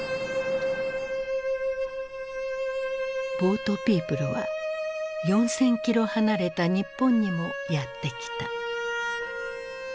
ボートピープルは４，０００キロ離れた日本にもやって来た。